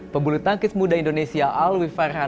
pembuluh tangkis muda indonesia alwi farhan mencatatkan